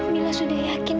mila sudah yakin